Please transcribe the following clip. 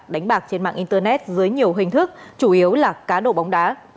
đánh bạc trên mạng internet dưới nhiều hình thức chủ yếu là cá độ bóng đá